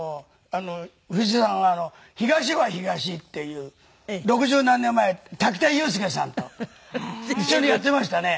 冨士さんは『東は東』っていう六十何年前滝田裕介さんと一緒にやっていましたね。